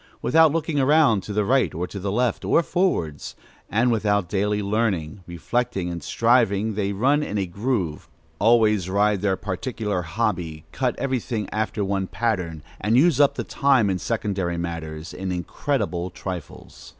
Without looking around to the right or to the left or forwards, and without daily learning, reflecting, and striving, they run in a groove, always ride their particular hobby, cut every thing after one pattern, and use up the time in secondary matters, in incredible trifles.